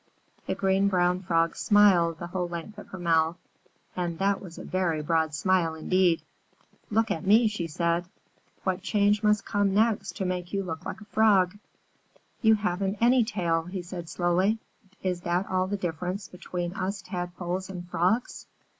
The Green Brown Frog smiled the whole length of her mouth, and that was a very broad smile indeed. "Look at me," she said. "What change must come next to make you look like a Frog?" "You haven't any tail," he said slowly. "Is that all the difference between us Tadpoles and Frogs?"